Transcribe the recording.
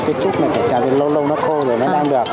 cái chút này phải chạp thì lâu lâu nó khô rồi mới làm được